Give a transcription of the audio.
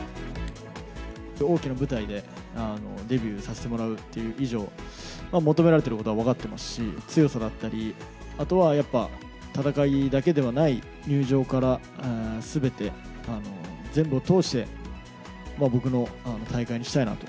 大きな舞台でデビューさせてもらうという以上、求められていることは分かってますし、強さだったり、あとはやっぱ戦いだけではない、入場からすべて、全部を通して、僕の大会にしたいなと。